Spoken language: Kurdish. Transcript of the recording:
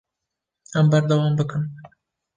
Em berdewam bikin.